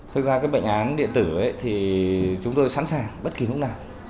thực ra cái bệnh án điện tử ấy thì chúng tôi sẵn sàng bất kỳ lúc nào